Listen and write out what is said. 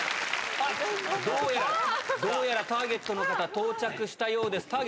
あっ、どうやらターゲットの方、到着したようです。